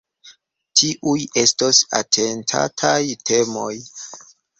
Tiuj estos atentataj temoj.